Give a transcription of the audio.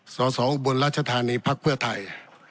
สสอุบวนรัชฐานีพักเพื่อไทย